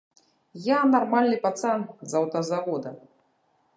Я нармальны пацан з аўтазавода!